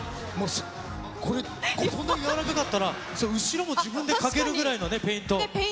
これ、こんなに柔らかかったら、後ろも自分で描けるぐらいのね、ペイント。